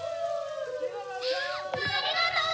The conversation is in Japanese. ありがとう！